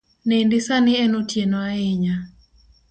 Nindi sani en otieno ahinya